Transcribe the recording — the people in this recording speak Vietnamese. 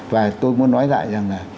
và tôi muốn nói lại rằng là